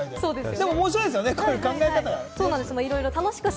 でも、面白いですよね、この考え方が。